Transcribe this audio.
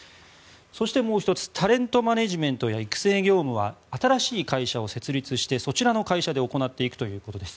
そしてもう１つタレントマネジメントや育成業務は新しい会社を設立してそちらの会社で行っていくということです。